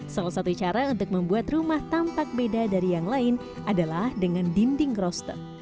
salah satu cara untuk membuat rumah tampak beda dari yang lain adalah dengan dinding kroster